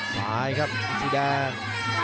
ซ้ายครับอิซิแดง